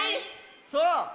そう。